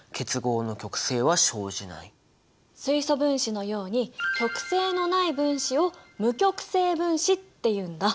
水素分子のように極性のない分子を無極性分子っていうんだ。